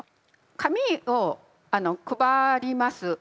紙を配ります。